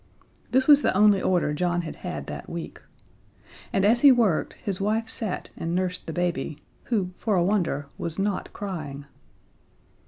This was the only order John had had that week. And as he worked his wife sat and nursed the baby, who, for a wonder, was not crying.